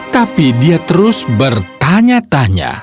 tapi dia terus bertanya tanya